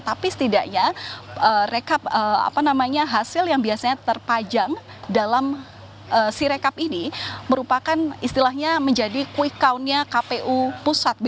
tapi setidaknya rekap hasil yang biasanya terpajang dalam sirekap ini merupakan istilahnya menjadi quick count nya kpu pusat